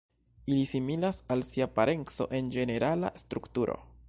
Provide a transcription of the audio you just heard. Ili similas al sia parenco en ĝenerala strukturo.